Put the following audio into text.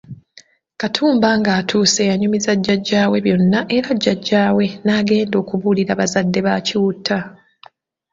Katumba ng’atuuse yanyumiza jajja we byonna era jajja we n’agenda okubuulira bazadde ba Kiwutta.